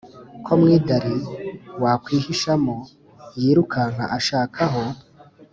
ko mwidari wakwihishamo yirukanka ashaka aho